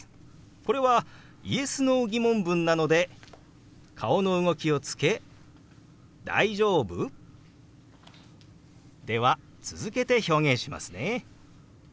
これはＹｅｓ／Ｎｏー疑問文なので顔の動きをつけ「大丈夫？」。では続けて表現しますね。